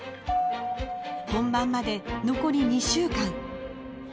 本番まで、残り２週間。